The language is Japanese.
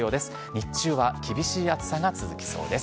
日中は厳しい暑さが続きそうです。